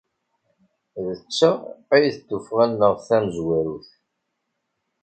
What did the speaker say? D ta ay d tuffɣa-nneɣ tamezwarut.